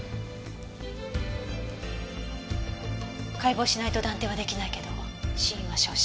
解剖しないと断定は出来ないけど死因は焼死。